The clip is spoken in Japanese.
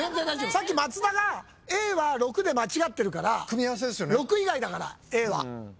さっき松田がＡは６で間違ってるから６以外だからＡは。